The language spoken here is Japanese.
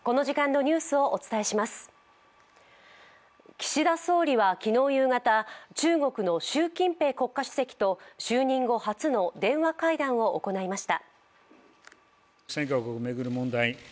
岸田総理は昨日夕方中国の習近平国家主席と就任後初の電話会談を行いました。